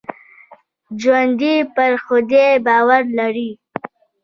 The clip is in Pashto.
ژوندي پر خدای باور لري